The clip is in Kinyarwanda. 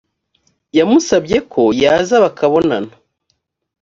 yamusabye ko yaza bakabonana